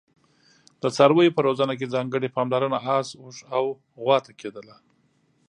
د څارویو په روزنه کې ځانګړي پاملرنه اس، اوښ او غوا ته کېده.